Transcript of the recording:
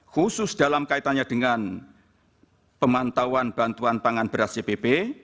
khusus dalam kaitannya dengan pemantauan bantuan pangan beras cpp